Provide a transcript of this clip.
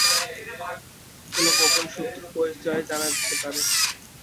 কোনো গোপন শত্রুর পরিচয় জানা যেতে পারে।